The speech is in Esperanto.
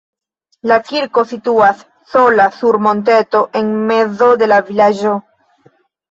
La kirko situas sola sur monteto en mezo de la vilaĝo.